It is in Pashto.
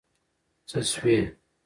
څه شوي؟